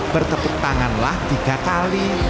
bertepuk tanganlah tiga kali